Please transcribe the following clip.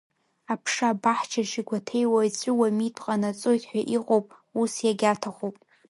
Аԥша абаҳчаҿ игәаҭеиуа, иҵәыуа митә ҟанаҵоит ҳәа иҟоуп, ус иагьаҭахуп.